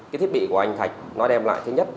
cái thiết bị của anh thạch nó đem lại thứ nhất